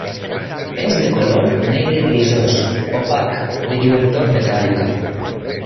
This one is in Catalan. És de color negre grisós, opac, de lluentor metàl·lica.